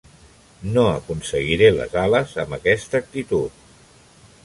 No aconseguiré les ales amb aquesta actitud.